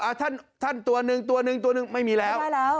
อ่าท่านท่านตัวนึงตัวนึงไม่มีแล้วได้แล้ว